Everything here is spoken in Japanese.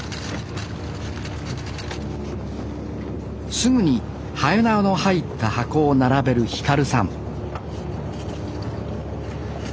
すぐにはえなわの入った箱を並べる輝さん